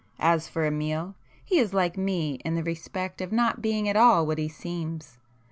As for Amiel, he is like me in the respect of not being at all what he seems.